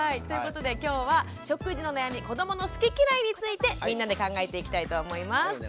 ということできょうは食事の悩み子どもの好き嫌いについてみんなで考えていきたいと思います。